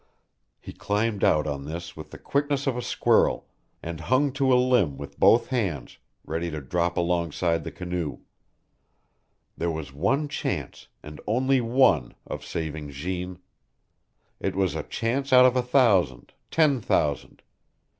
He climbed out on this with the quickness of a squirrel, and hung to a limb with both hands, ready to drop alongside the canoe. There was one chance, and only one, of saving Jeanne. It was a chance out of a thousand ten thousand.